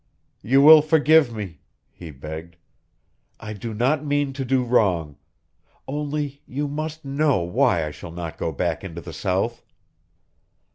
"You will forgive me!" he begged. "I do not mean to do wrong. Only, you must know why I shall not go back into the South."